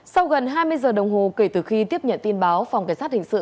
sau gần hai mươi giờ đồng hồ kể từ khi tiếp nhận tin báo phòng cảnh sát hình sự